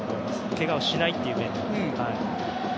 けがをしないという。